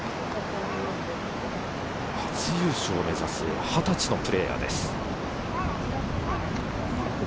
初優勝を目指す、２０歳のプレーヤーです。